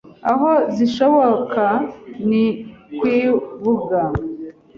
aho zishoka ni kwibuga